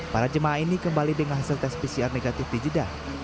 para jemaah ini kembali dengan hasil tes pcr negatif di jeddah